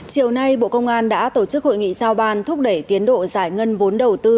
chiều nay bộ công an đã tổ chức hội nghị giao bàn thúc đẩy tiến độ giải ngân vốn đầu tư